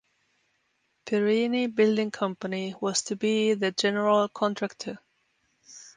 Perini Building Company was to be the general contractor.